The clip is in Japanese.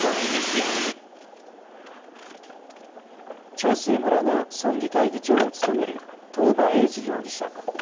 長生村の村議会議長を務める東間永次容疑者。